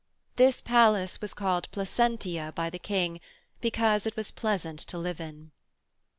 This palace was called Placentia by the King because it was pleasant to live in.